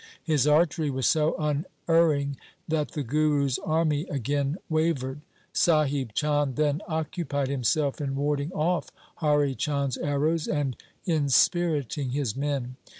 His archery was so unerring that the Guru's army again wavered. Sahib Chand then occupied himself in warding off Hari Chand's arrows and inspiriting his men.